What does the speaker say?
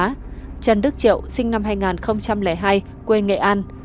trần đức triệu sinh năm hai nghìn hai quê nghệ an